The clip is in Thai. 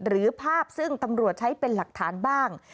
หรือภาพซึ่งตำรวจใช้เป็นหลักฐานบ้าง